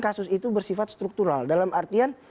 kasus itu bersifat struktural dalam artian